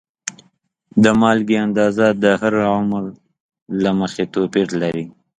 د مالګې اندازه د هر عمر له مخې توپیر لري.